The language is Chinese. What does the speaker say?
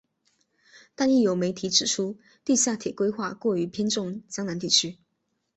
但亦有媒体指出地下铁规划过于偏重江南地区。